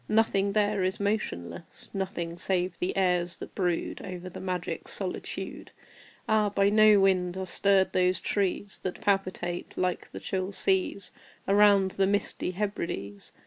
Nothing there is motionless Nothing save the airs that brood Over the magic solitude. Ah, by no wind are stirred those trees That palpitate like the chill seas Around the misty Hebrides!